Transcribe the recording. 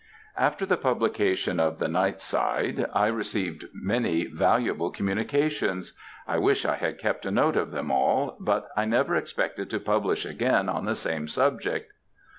"After the publication of the 'Night Side,' I received many valuable communications I wish I had kept a note of them all, but I never expected to publish again on the same subject.